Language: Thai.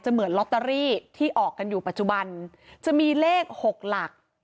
เหมือนลอตเตอรี่ที่ออกกันอยู่ปัจจุบันจะมีเลขหกหลัก